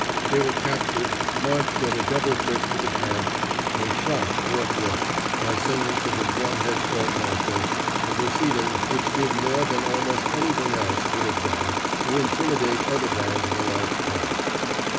They were captured, marched at a double quick to the camp, and shot forthwith, by sentence of a drum head court martial, a proceeding which did more than almost anything else could have done, to intimidate other bands of a like kind.